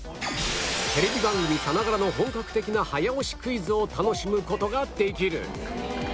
テレビ番組さながらの本格的な早押しクイズを楽しむ事ができる